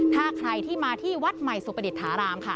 ถ้าใครที่มาที่วัดใหม่สุประดิษฐารามค่ะ